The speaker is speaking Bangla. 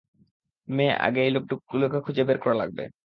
মে, আগে এই লোকগুলোকে খুঁজে বের করা লাগবে।